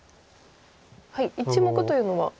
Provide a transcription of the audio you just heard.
１目というのは？